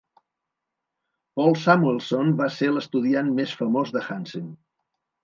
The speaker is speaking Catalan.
Paul Samuelson va ser l'estudiant més famós de Hansen.